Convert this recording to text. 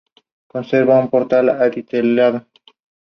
Su postura enfatizaba la necesidad de una aproximación mucho más cautelosa.